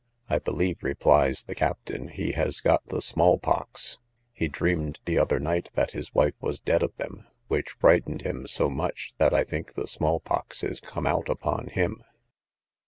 I believe, replies the captain, he has got the small pox; he dreamed the other night that his wife was dead of them, which frightened him so much, that I think the small pox is come out upon him.